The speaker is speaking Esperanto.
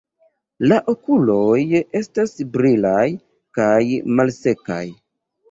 La okuloj estas brilaj kaj malsekaj.